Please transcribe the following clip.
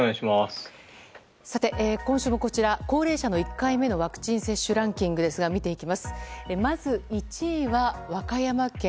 今週も高齢者の１回目のワクチン接種ランキングですがまず、１位は和歌山県。